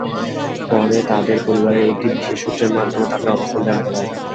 পরে তাদের পরিবার একটি বিশেষ সূত্রের মাধ্যমে তাদের অবস্থান জানতে পারে।